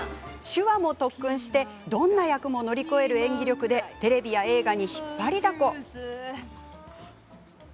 手話も特訓してどんな役も乗り越える演技力でテレビや映画に引っ張りだこ！